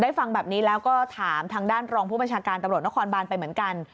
ฟังแบบนี้แล้วก็ถามทางด้านรองผู้บัญชาการตำรวจนครบานไปเหมือนกัน